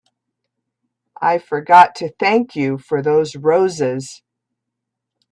I forgot to thank you for those roses.